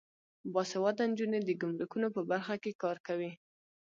باسواده نجونې د ګمرکونو په برخه کې کار کوي.